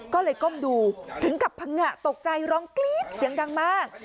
ก็เลยก้มดูถึงกับพังงะตกใจร้องกรี๊ดเสียงดังมาก